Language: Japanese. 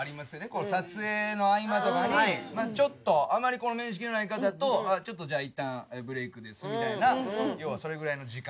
この撮影の合間とかにちょっとあまり面識の無い方とちょっとじゃあ一旦ブレイクですみたいな要はそれぐらいの時間。